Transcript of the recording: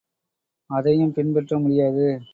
அதையும் பின்பற்ற முடியாது.